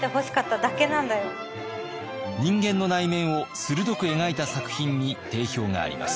人間の内面を鋭く描いた作品に定評があります。